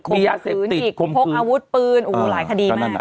มียาเสพติดคมคืนพกอาวุธปืนหลายคดีมาก